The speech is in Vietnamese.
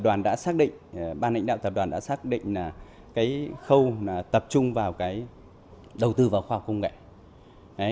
ban lãnh đạo tập đoàn đã xác định khâu tập trung vào đầu tư vào khoa học công nghệ